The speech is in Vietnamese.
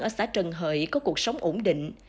ở xã trần hợi có cuộc sống ổn định